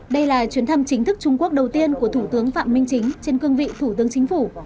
đây là chuyến thăm chính thức trung quốc đầu tiên của thủ tướng phạm minh chính trên cương vị thủ tướng chính phủ